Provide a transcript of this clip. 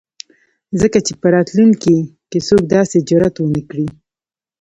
ځکه چې په راتلونکي ،کې څوک داسې جرات ونه کړي.